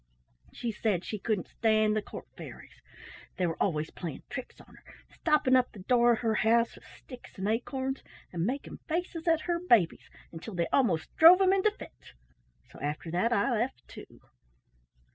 She said she couldn't stand the court fairies. They were always playing tricks on her, stopping up the door of her house with sticks and acorns, and making faces at her babies until they almost drove them into fits. So after that I left too."